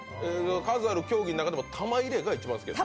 数ある競技の中でも玉入れが一番好きなの？